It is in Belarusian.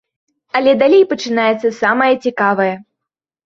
Але далей пачынаецца самае цікавае.